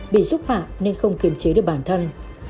bị xúc phạm nên không kiềm chế được bản thân